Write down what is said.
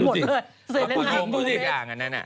ทุกอย่าง